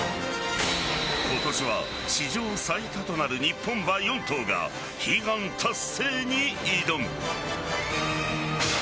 今年は史上最多となる日本馬４頭が悲願達成に挑む。